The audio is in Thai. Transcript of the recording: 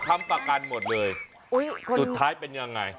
ค้ำประกันหมดเลยสุดท้ายเป็นยังไง